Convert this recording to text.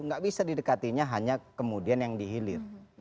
nggak bisa didekatinya hanya kemudian yang dihilir